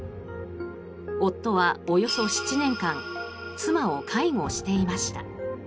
夫はおよそ７年間妻を介護していました。